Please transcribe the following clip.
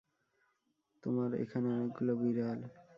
তোমার এখানে অনেকগুলো বিড়াল।